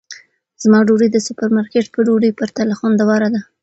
زما ډوډۍ د سوپرمارکېټ په ډوډۍ پرتله خوندوره ده.